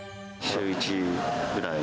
週１。